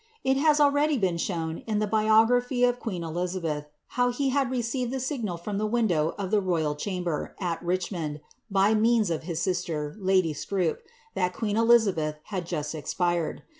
It has already been shown, in the biography of queen Elizabeth^ how he had received the signal from the window of the royal chamber, at Richmond, by means of his sister, lady Scrope, that queen Elizabeth had just expired.